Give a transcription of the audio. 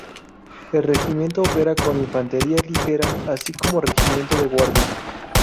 El regimiento opera como infantería ligera así como regimiento de guardia.